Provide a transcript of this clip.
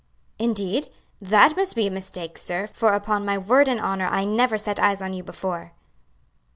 "Indeed! that must be a mistake, sir, for upon my word and honor I never set eyes on you before."